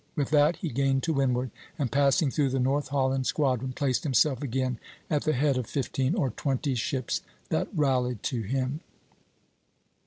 With that he gained to windward, and passing through the North Holland squadron, placed himself again at the head of fifteen or twenty ships that rallied to him."